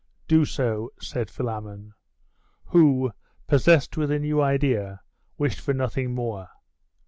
'Do so,' said Philammon, who, possessed with a new idea, wished for nothing more.